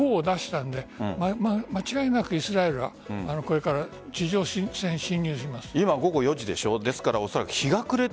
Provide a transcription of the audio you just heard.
アメリカはゴーを出したので間違いなく、イスラエルはこれから地上侵攻します。